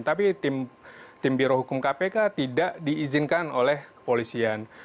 tapi tim birohukum kpk tidak diizinkan oleh kepolisian